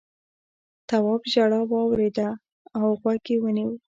تواب ژړا واورېده او غوږ یې ونيو.